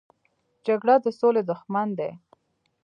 جګړه د سولې دښمن دی